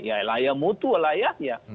ya elah ya mutu elah ya ya